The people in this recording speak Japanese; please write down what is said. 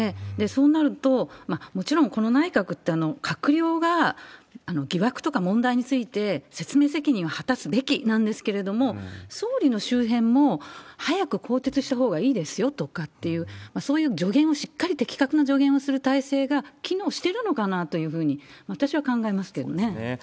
そうなると、もちろんこの内閣って、閣僚が疑惑とか問題について説明責任を果たすべきなんですけれども、総理の周辺も、早く更迭したほうがいいですよとかっていう、そういう助言をしっかり、的確な助言をする体制が機能してるのかなというふうに、私は考えそうですね。